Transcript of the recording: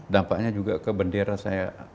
dampaknya juga ke bendera saya